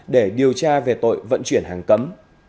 để điều tra về tội vận chuyển hàng cấm